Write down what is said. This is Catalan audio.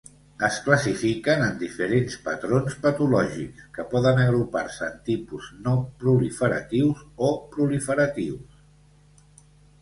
Es classifiquen en diferents patrons patològics, que poden agrupar-se en tipus no proliferatius o proliferatius.